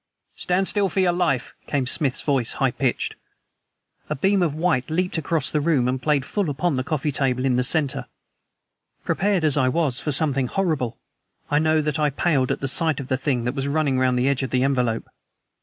"Stand still, for your life!" came Smith's voice, high pitched. A beam of white leaped out across the room and played full upon the coffee table in the center. Prepared as I was for something horrible, I know that I paled at sight of the thing that was running round the edge of the envelope.